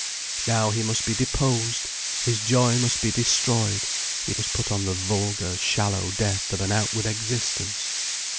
Now he must be deposed, his joy must be destroyed, he must put on the vulgar, shallow death of an outward existence.